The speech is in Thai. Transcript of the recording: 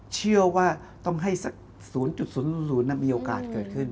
เชื่อว่าต้องให้สักศูนย์จุดศูนย์มีโอกาสเกิดขึ้น